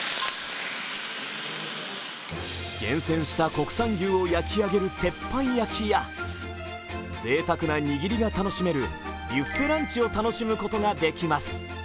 厳選した国産牛を焼き上げる鉄板焼きやぜいたくな握りが楽しめるブュッフェランチを楽しむことができます。